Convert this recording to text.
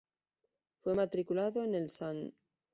Fue matriculado en el St.